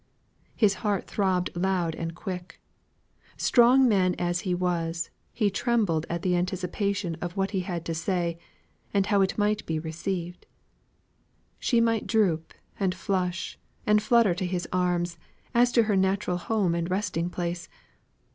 His heart throbbed loud and quick. Strong man as he was, he trembled at the anticipation of what he had to say, and how it might be received. She might droop, and flush, and flutter to his arms, as to her natural home and resting place.